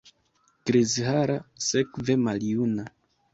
Grizhara, sekve maljuna!